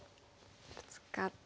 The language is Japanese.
ブツカって。